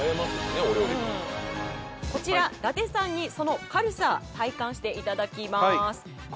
こちら伊達さんにその軽さ体感していただきます。